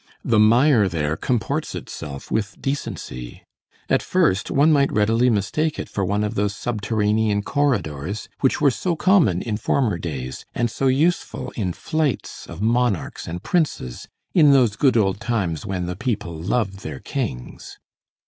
The mire there comports itself with decency. At first, one might readily mistake it for one of those subterranean corridors, which were so common in former days, and so useful in flights of monarchs and princes, in those good old times, "when the people loved their kings."